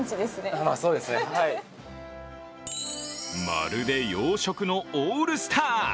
まるで洋食のオールスター。